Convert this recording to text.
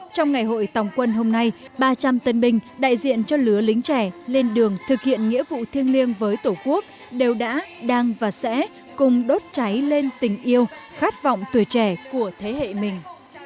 trong ngày hội tòng quân hôm nay ba trăm linh tân binh đại diện cho lứa lính trẻ lên đường thực hiện nghĩa vụ thiêng liêng với tổ quốc đều đã đang và sẽ cùng đốt cháy lên tình yêu khát vọng tuổi trẻ của thế hệ mình